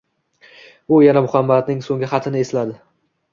U yana Muhammadning so`nggi xatini esladi